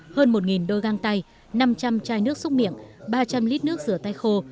hơn một đôi găng tay năm trăm linh chai nước xúc miệng ba trăm linh lít nước rửa tay khô